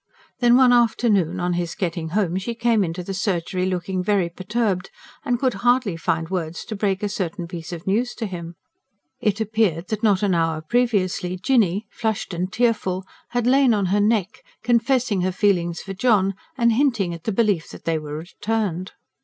Then one afternoon, on his getting home, she came into the surgery looking very perturbed, and could hardly find words to break a certain piece of news to him. It appeared that not an hour previously, Jinny, flushed and tearful, had lain on her neck, confessing her feelings for John and hinting at the belief that they were returned.